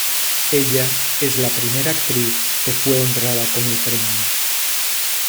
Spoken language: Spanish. Ella es la primera actriz que fue honrada con el premio.